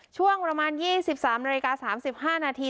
ช่วงประมาณ๒๓นาฬิกา๓๕นาที